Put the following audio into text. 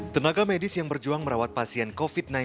tenaga medis yang berjuang merawat pasien covid sembilan belas